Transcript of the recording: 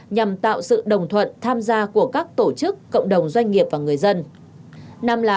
nhằm tạo sự đồng thuận tham gia của các tổ chức cộng đồng doanh nghiệp và người dân